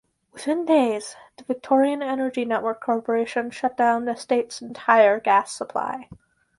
Within days, the Victorian Energy Network Corporation shut down the state's entire gas supply.